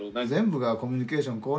全部がコミュニケーション